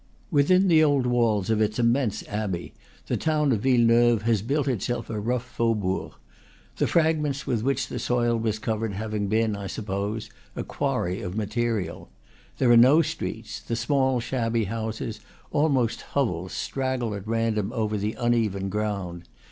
Within the old walls of its immense abbey the town of Villeneuve has built itself a rough faubourg; the fragments with which the soil was covered having been, I suppose, a quarry of material. There are no streets; the small, shabby houses, almost hovels, straggle at random over the uneven ground.